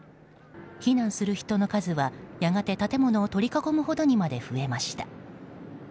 避難する人の数は、やがて建物を取り囲むほどにまで増えました。